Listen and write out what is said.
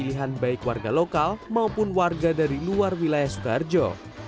pilihan baik warga lokal maupun warga dari luar wilayah soekarjo